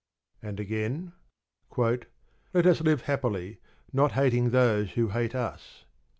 And again: "Let us live happily, not hating those who hate us."